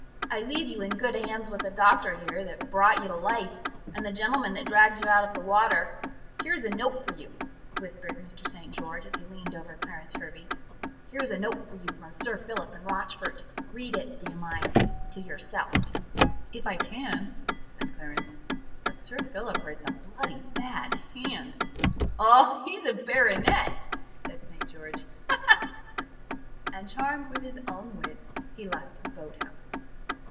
I leave you in good hands with the doctor here, that brought you to life, and the gentleman that dragged you out of the water. Here's a note for you," whispered Mr. St. George, as he leaned over Clarence Hervey "here's a note for you from Sir Philip and Rochfort: read it, do you mind, to yourself." "If I can," said Clarence; "but Sir Philip writes a bloody bad hand." "Oh, he's a baronet," said St. George, "ha! ha! ha!" and, charmed with his own wit, he left the boat house.